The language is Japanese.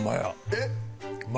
えっ？